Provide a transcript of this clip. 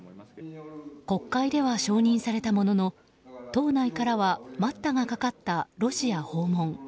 国会では承認されたものの党内からは待ったがかかったロシア訪問。